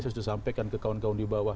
saya sudah sampaikan ke kawan kawan di bawah